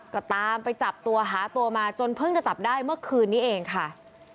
ก็ตามไปจับตัวหาตัวมาจนเพิ่งจะจับได้เมื่อคืนนี้เองค่ะ